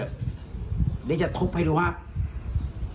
เดี๋ยวจะทุบให้ดูหรือหรือหรือหรือ